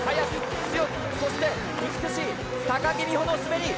そして美しい木美帆の滑り。